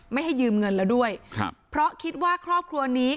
ไม่ให้ยืมเงินแล้วด้วยครับเพราะคิดว่าครอบครัวนี้